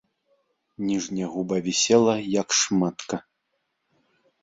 Ніжняя губа вісела, як шматка.